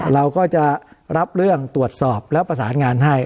เราก็จะรับเรื่องตรวจสอบแล้วประสานงานให้